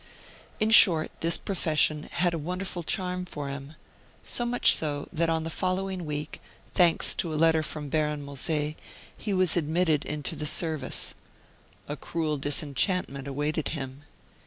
In short, this profession had a wonderful charm for him. So much so, that on the following week, thanks to a letter from Baron Moser, he was admitted into the service. A cruel disenchantment awaited him.